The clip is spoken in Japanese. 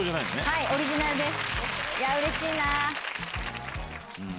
はい、オリジナルです。